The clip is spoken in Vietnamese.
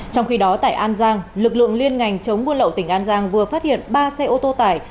trong khi đó tại an giang lực lượng liên ngành chống buôn lậu tỉnh an giang vừa phát hiện ba xe ô tô tải